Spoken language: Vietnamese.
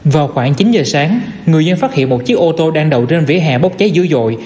vào khoảng chín giờ sáng người dân phát hiện một chiếc ô tô đang đậu trên vỉa hè bốc cháy dữ dội